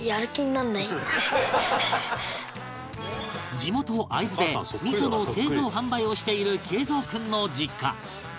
地元会津で味の製造販売をしている敬蔵君の実家